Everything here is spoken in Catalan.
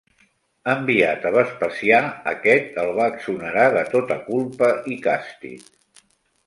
Enviat a Vespasià aquest el va exonerar de tota culpa i càstig.